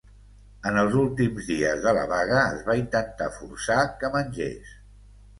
En els últims dies de la vaga es va intentar forçar que mengés.